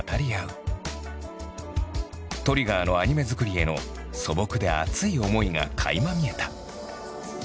ＴＲＩＧＧＥＲのアニメづくりへの素朴で熱い思いがかいま見えた。